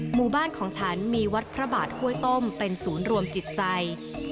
หมู่บ้านของฉันมีวัดพระบาทห้วยต้มเป็นศูนย์รวมจิตใจ